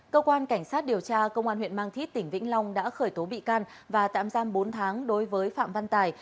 cơ quan cảnh sát điều tra công an huyện mang thít tỉnh vĩnh long đã khởi tố bị can và tạm giam bốn tháng đối với phạm văn tài